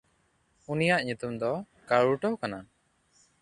ᱩᱱᱤᱭᱟᱜ ᱧᱩᱛᱩᱢ ᱫᱚ ᱠᱟᱲᱩᱴᱚ ᱠᱟᱱᱟ᱾